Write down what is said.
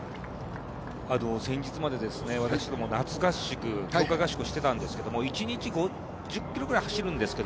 先日まで、私ども、夏合宿強化合宿をしていたんですが１日５０ｋｍぐらい走っていたんですが